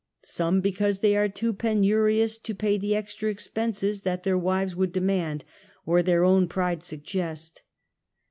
Some because they are too penurious to pay the extra expenses that their wives would demand, or their own pride sug gest.